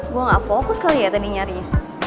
gue gak fokus kali ya tadi nyarinya